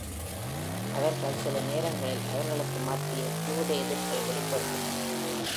அவர்கள் சில நேரங்களில் அவர்களுக்கு மத்தியில் யூத எதிர்ப்பை வெளிப்படுத்தினர்.